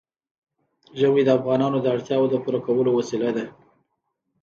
ژمی د افغانانو د اړتیاوو د پوره کولو وسیله ده.